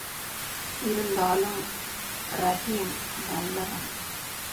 இருந்தாலும் ரஹீம் நல்லவன்.